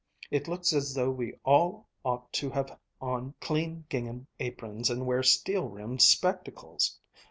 It looks as though we all ought to have on clean gingham aprons and wear steel rimmed spectacles.